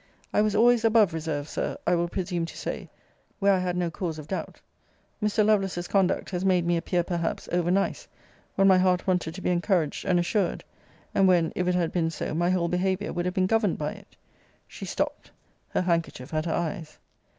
I was always above reserve, Sir, I will presume to say, where I had no cause of doubt. Mr. Lovelace's conduct has made me appear, perhaps, over nice, when my heart wanted to be encouraged and assured! and when, if it had been so, my whole behaviour would have been governed by it. She stopt; her handkerchief at her eyes.